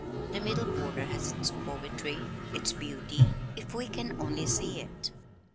The middle border has its poetry, its beauty, if we can only see it."